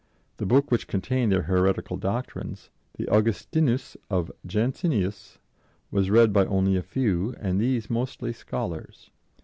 The book which contained their heretical doctrines, the Augustinus of Jansenius, was read by only a few, and these mostly scholars.